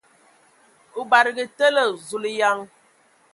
O badǝge tele ! Zulǝyaŋ!